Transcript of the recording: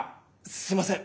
すみません！